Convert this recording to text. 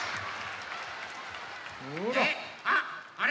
えっ？あれ？